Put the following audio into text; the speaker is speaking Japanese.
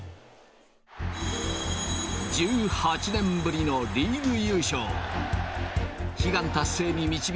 １８年ぶりのリーグ優勝。